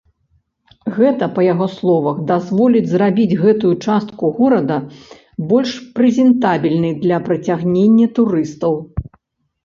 Гэта, па яго словах, дазволіць зрабіць гэтую частку горада больш прэзентабельнай для прыцягнення турыстаў.